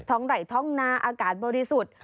ไหล่ท้องนาอากาศบริสุทธิ์